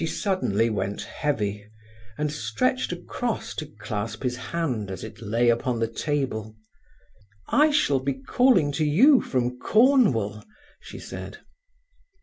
She suddenly went heavy, and stretched across to clasp his hand as it lay upon the table. "I shall be calling to you from Cornwall," she said.